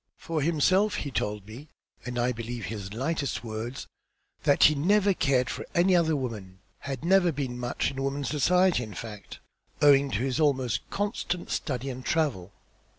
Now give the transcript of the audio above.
For himself, he told me, and I believe his lightest word, that he never cared for any other woman; had never been much in women's society, in fact, owing to his almost constant study and travel.